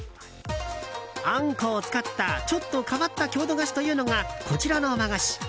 あんこを使ったちょっと変わった郷土菓子というのがこちらの和菓子。